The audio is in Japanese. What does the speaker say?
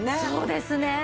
そうですね。